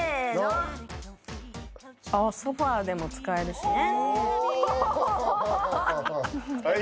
「あっソファでも使えるしね」